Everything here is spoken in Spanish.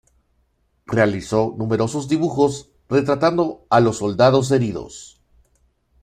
Realizó numerosos dibujos retratando a los soldados heridos.